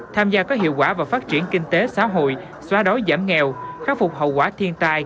tham gia có hiệu quả vào phát triển kinh tế xã hội xóa đói giảm nghèo khắc phục hậu quả thiên tai